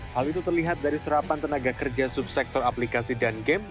hal itu terlihat dari serapan tenaga kerja subsektor aplikasi dan game